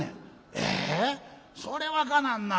「ええ？それはかなわんな。